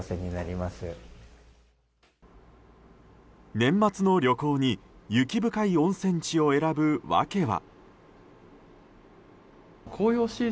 年末の旅行に雪深い温泉地を選ぶ訳は？